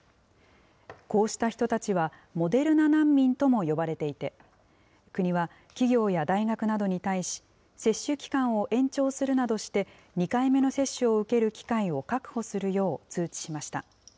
こうした人たちは、モデルナ難民とも呼ばれていて、国は企業や大学などに対し、接種期間を延長するなどして、２回目の接種を受ける機会を確保するよう通知しました。